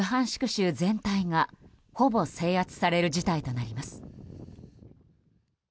州全体がほぼ制圧される事態となります。